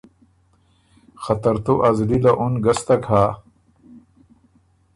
که ترتو ا زلی له اُن ګستک هۀ